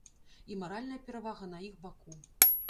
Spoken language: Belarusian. І маральная перавага на іх баку.